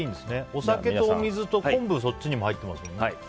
お酒とお水と昆布もそっちに入ってますもんね。